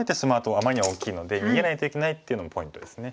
あまりに大きいので逃げないといけないっていうのもポイントですね。